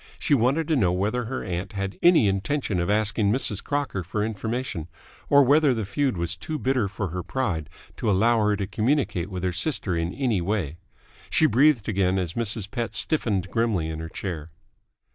She wanted to know whether her aunt had any intention of asking Mrs. Crocker for information, or whether the feud was too bitter for her pride to allow her to communicate with her sister in any way. She breathed again as Mrs. Pett stiffened grimly in her chair.